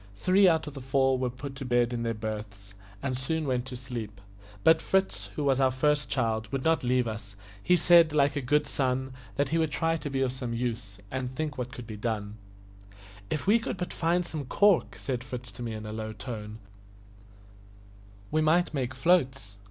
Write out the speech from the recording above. Three out of the four were put to bed in their berths, and soon went to sleep; but Fritz, who was our first child, would not leave us. He said, like a good son, that he would try to be of some use, and think what could be done. "If we could but find some cork," said Fritz to me in a low tone, "we might make floats.